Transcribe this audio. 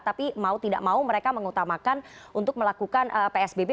tapi mau tidak mau mereka mengutamakan untuk melakukan psbb